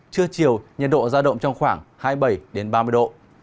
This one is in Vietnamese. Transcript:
trưa chiều nhiệt độ giao động trong khoảng hai mươi bảy ba mươi độ